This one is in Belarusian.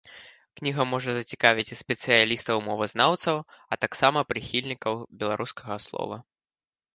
Кніга можа зацікавіць і спецыялістаў-мовазнаўцаў, а таксама прыхільнікаў беларускага слова.